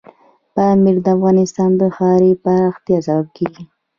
پامیر د افغانستان د ښاري پراختیا سبب کېږي.